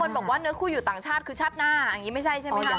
บอกว่าเนื้อคู่อยู่ต่างชาติคือชาติหน้าอย่างนี้ไม่ใช่ใช่ไหมคะ